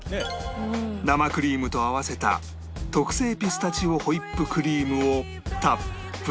生クリームと合わせた特製ピスタチオホイップクリームをたっぷりと塗り